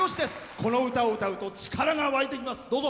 この歌を歌うと力が湧いてきます。